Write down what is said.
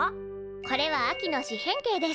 これは秋の四辺形です。